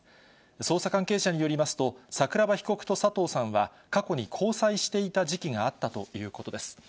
捜査関係者によりますと、桜庭被告と佐藤さんは、過去に交際していた時期があったということです。